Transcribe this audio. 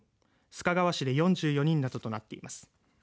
須賀川市で４４人などとなっています。